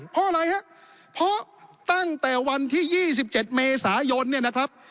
เพราะอะไรฮะเพราะตั้งแต่วันที่๒๗เมษายนเนี่ยนะครับ